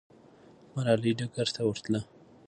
ملالۍ ډګر ته ورتله.